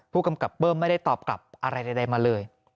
ผู้กำกับเบิ้มไม่ได้ตอบกลับอะไรใดมาเลย